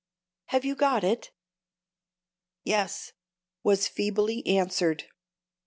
Have you got it?" "Yes," was feebly answered.